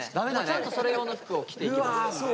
ちゃんとそれ用の服を着ていけば。